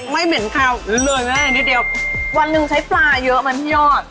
เหม็นคาวเลยแม่นิดเดียววันหนึ่งใช้ปลาเยอะไหมพี่ยอด